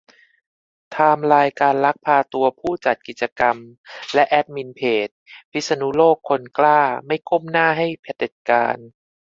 ไทม์ไลน์การลักพาตัวผู้จัดกิจกรรมและแอดมินเพจ พิษณุโลกคนกล้าไม่ก้มหน้าให้เผด็จการ